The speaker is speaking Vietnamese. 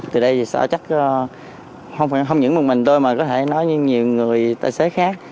từ đây thì sẽ chắc không những một mình tôi mà có thể nói như nhiều người tài xế khác